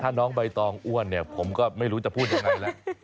ถ้าน้องใบตองอ้วนเนี่ยผมก็ไม่รู้จะพูดยังไงแล้ว